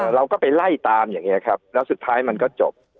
เราก็ไปไล่ตามอย่างนี้ครับแล้วสุดท้ายมันก็จบ